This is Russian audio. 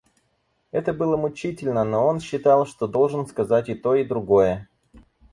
Это было мучительно, но он считал, что должен сказать и то и другое.